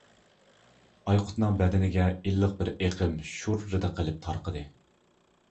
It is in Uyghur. ئايقۇتنىڭ بەدىنىگە ئىللىق بىر ئېقىم شۇررىدە قىلىپ تارقىدى.